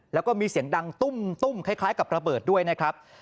แล้วก็มีเสียงดังตุ้มคล้ายกับระเบิดด้วยนะครับ